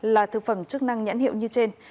là thực phẩm chức năng nhãn hiệu như trên